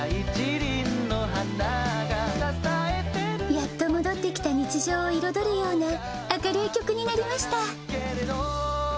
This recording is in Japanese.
やっと戻ってきた日常を彩るような、明るい曲になりました。